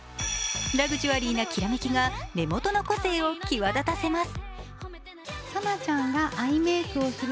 ラグジュアリーなきらめきが目元の個性を際立たせます。